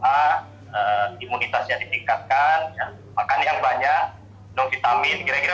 sehat bisa kembali sembuh saya pikir motivasi ini yang yang sangat penting dimiliki oleh semua